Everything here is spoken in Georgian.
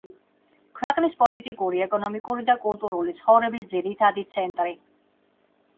ქვეყნის პოლიტიკური, ეკონომიკური და კულტურული ცხოვრების ძირითადი ცენტრი.